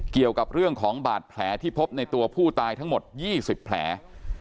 เกี่ยวกับเรื่องของบาดแผลที่พบในตัวผู้ตายทั้งหมด๒๐แผล